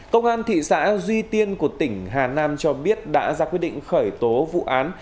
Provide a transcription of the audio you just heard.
công an thị xã duy tiên của tỉnh hà nam cho biết đã ra quyết định khởi tố vụ án